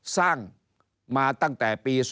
สร้างมาตั้งแต่ปี๒๕